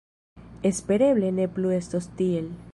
Espereble ne plu estos tiel.